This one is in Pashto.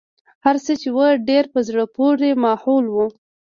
هرڅه چې و ډېر په زړه پورې ماحول و.